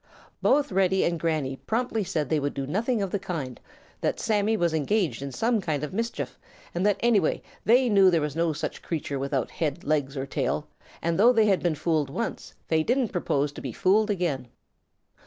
Both Reddy and Granny promptly said they would do nothing of the kind, that probably Sammy was engaged in some kind of mischief, and that anyway they knew that there was no such creature without head, legs, or tail, and though they had been fooled once, they didn't propose to be fooled again.